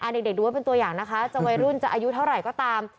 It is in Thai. เด็กดูว่าเป็นตัวอย่างนะคะจะวัยรุ่นจะอายุเท่าไหร่ก็ตาม